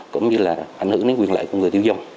cũng như là ảnh hưởng đến quyền lợi của người tiêu dùng